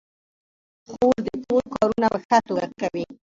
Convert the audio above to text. خور د کور کارونه په ښه توګه کوي.